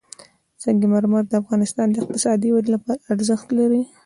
سنگ مرمر د افغانستان د اقتصادي ودې لپاره ارزښت لري.